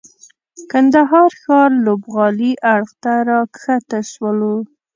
کندهار ښار لوبغالي اړخ ته راکښته سولو.